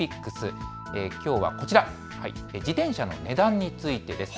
きょうはこちら、自転車の値段についてです。